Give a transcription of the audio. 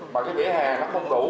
mà vỉa hè không đủ